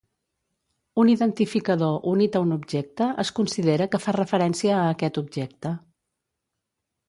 Un identificador unit a un objecte es considera que fa referència a aquest objecte.